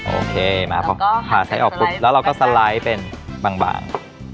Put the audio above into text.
โอเคมาพอผ่าใช้ออกปุ๊บแล้วเราก็สไลด์เป็นบาง